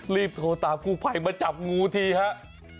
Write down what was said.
รีบโทรตามกู้ภัยมาจับงูทีครับ